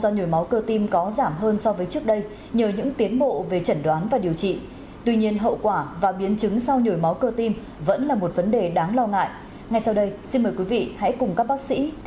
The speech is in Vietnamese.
nhồi máu cơ tim là gì và cách xử trí như thế nào là hợp lý nhất